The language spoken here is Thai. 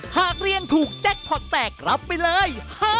หากเรียนถูกแจ็คพอร์ตแตกรับไปเลย